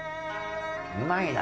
うまいな！